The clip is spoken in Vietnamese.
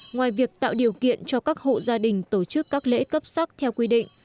ngoài việc tạo điều kiện cho các hộ gia đình tổ chức các lễ cấp sắc theo quy định